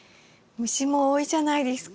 虫も多いじゃないですか。